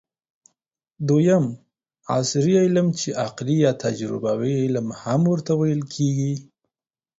دویم : عصري علم چې عقلي یا تجربوي علم هم ورته ويل کېږي